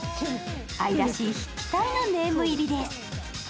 愛らしい筆記体のネーム入りです。